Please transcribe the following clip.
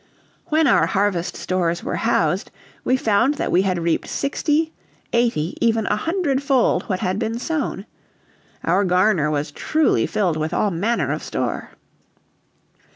When our harvest stores were housed, we found that we had reaped sixty, eighty, even a hundred fold what had been sown. Our garner was truly filled with all manner of store.